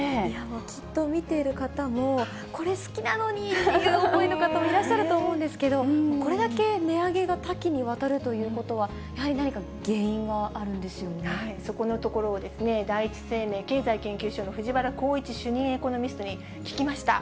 きっと見ている方も、これ好きなのにっていう、思いの方もいらっしゃると思うんですけど、これだけ値上げが多岐にわたるということは、そこのところを、第一生命経済研究所の藤代宏一主任エコノミストに聞きました。